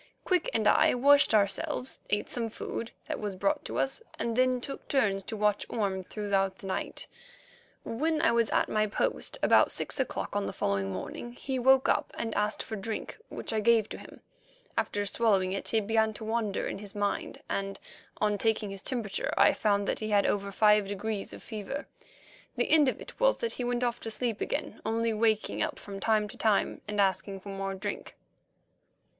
Quick and I washed ourselves, ate some food that was brought to us, and then took turns to watch Orme throughout the night. When I was at my post about six o'clock on the following morning he woke up and asked for drink, which I gave to him. After swallowing it he began to wander in his mind, and, on taking his temperature, I found that he had over five degrees of fever. The end of it was that he went off to sleep again, only waking up from time to time and asking for more drink.